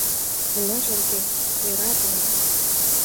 Ныжылге, йӧратыме